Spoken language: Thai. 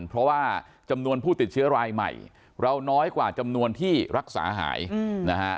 เพราะว่าจำนวนผู้ติดเชื้อรายใหม่เราน้อยกว่าจำนวนที่รักษาหายนะฮะ